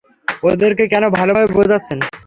ওদেরকে কেন ভালোভাবে বোঝাচ্ছেন?